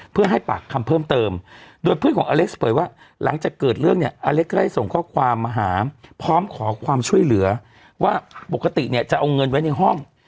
เพื่อให้ปากคำเพิ่มเติมโดยเพื่อนของอเล็กซ์เผยว่าหลังจากเกิดเรื่องเนี่ยอเล็กก็ได้ส่งข้อความมาหาพร้อมขอความช่วยเหลือว่าปกติเนี่ยจะเอาเงินไว้ในห้อง